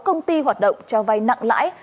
sáu công ty hoạt động cho vay nặng lãi